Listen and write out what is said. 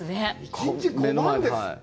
１日５万ですって。